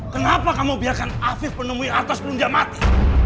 kenapa kamu biarkan afif menemui artas belum dia mati